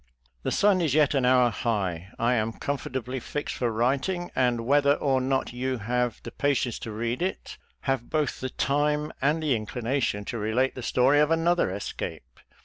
The sun is yet an hour high, I am comfortably fixed for writing, and whether or not you have the patience to read it, have both the time and the inclination to relate the story of another escape.